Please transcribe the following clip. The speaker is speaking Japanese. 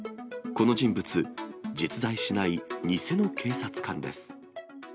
この人物、実在しない偽の警察官です。